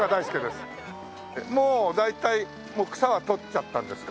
もう大体草は取っちゃったんですか？